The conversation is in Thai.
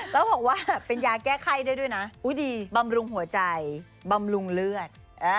แล้วบอกว่าเป็นยาแก้ไข้ได้ด้วยนะบำรุงหัวใจบำรุงเลือด